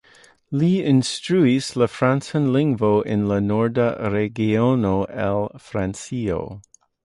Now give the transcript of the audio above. Li instruis la francan lingvo en la norda regiono el Francio.